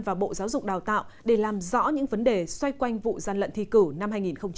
và bộ giáo dục đào tạo để làm rõ những vấn đề xoay quanh vụ gian lận thi cử năm hai nghìn một mươi tám